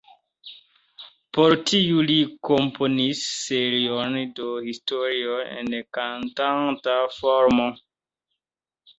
Por tiu li komponis serion de historioj en kantata formo.